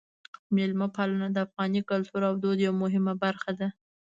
میلمه پالنه د افغاني کلتور او دود یوه مهمه برخه ده.